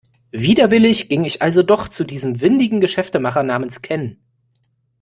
Widerwillig ging ich also doch zu diesem windigen Geschäftemacher namens Ken.